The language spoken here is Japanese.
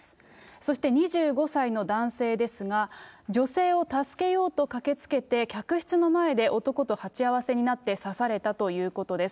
そして２５歳の男性ですが、女性を助けようと駆けつけて客室の前で男と鉢合わせになって刺されたということです。